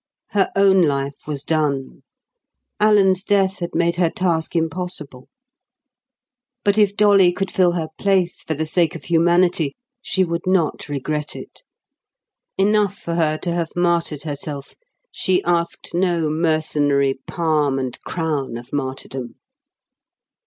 Her own life was done; Alan's death had made her task impossible; but if Dolly could fill her place for the sake of humanity, she would not regret it. Enough for her to have martyred herself; she asked no mercenary palm and crown of martyrdom.